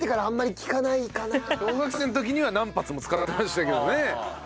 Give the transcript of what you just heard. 小学生の時には何発も使ってましたけどね。